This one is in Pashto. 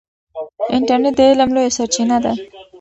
انټرنیټ د علم لویه سرچینه ده.